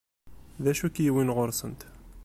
D acu i k-iwwin ɣur-sent?